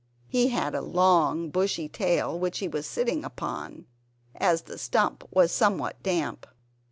He had a long bushy tail which he was sitting upon, as the stump was somewhat damp.